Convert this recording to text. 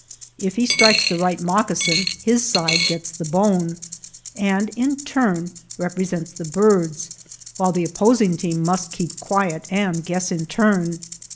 If he strikes the right moccasin, his side gets the bone, and in turn represents the birds, while the opposing team must keep quiet and guess in turn.